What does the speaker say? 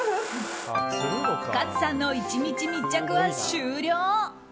勝さんの１日密着は終了。